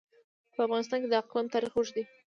په افغانستان کې د اقلیم تاریخ اوږد دی.